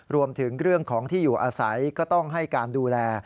รวมถึงเรื่องของที่อยู่อาศัยก็ต้องให้การดูแล